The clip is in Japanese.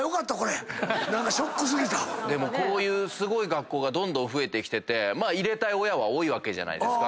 こういうすごい学校がどんどん増えてきて入れたい親多いわけじゃないですか。